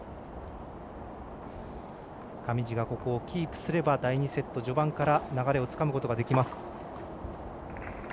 上地がここをキープすれば第２セット序盤から流れをつかむことができます。